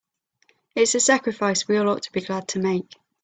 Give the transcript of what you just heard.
It's a sacrifice we all ought to be glad to make.